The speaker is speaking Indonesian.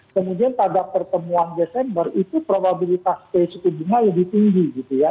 kemudian pada pertemuan desember itu probabilitas suku bunga lebih tinggi gitu ya